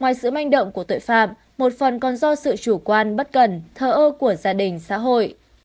còn do sự chủ quan bất cẩn thơ ơ của gia đình xã hội